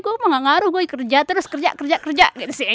gue mau gak ngaruh gue kerja terus kerja kerja kerja